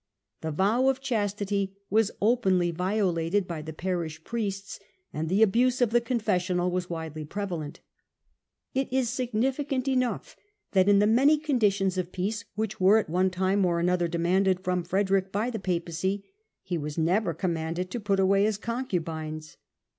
The vow of chastity was openly violated by the parish priests and the abuse of the confessional was widely prevalent. It is significant enough that in the many conditions of peace which were at one time or another demanded from Frederick by the Papacy, he was never commanded to put away his concubines.